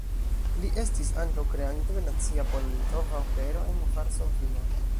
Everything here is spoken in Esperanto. Li estis ankaŭ kreanto de nacia pola-litova opero en Varsovio.